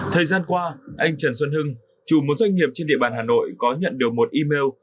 thời gian qua anh trần xuân hưng chủ một doanh nghiệp trên địa bàn hà nội có nhận được một email